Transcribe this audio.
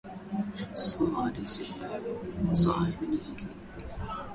samadi zipo za aina nyingi